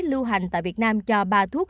lưu hành tại việt nam cho ba thuốc